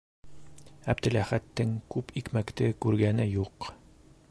Әптеләхәттең күп икмәкте күргәне юҡ.